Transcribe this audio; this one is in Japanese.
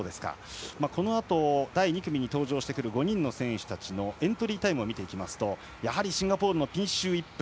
このあと第２組に登場する５人の選手たちのエントリータイムを見ていくとやはりシンガポールのピンシュー・イップ。